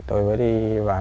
có quen với ta